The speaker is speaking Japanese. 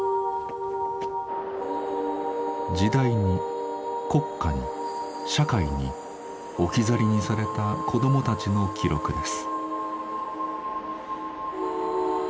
時代に国家に社会に置き去りにされた子どもたちの記録です。